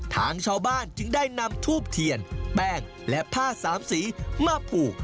ทางชาวบ้านจึงได้นำทูบเทียนแป้งและผ้าสามสีมาผูก